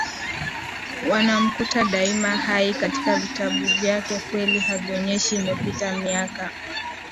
wanamkuta daima hai katika vitabu vyake Kweli havionyeshi imepita miaka